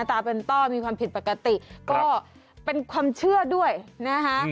ตาเป็นต้อมีความผิดปกติก็เป็นความเชื่อด้วยนะคะ